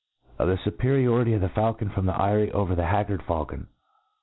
Of the Superiority of the Faulcon from the Eyrif over the Haggard Faulcon.